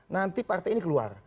nanti partai ini keluar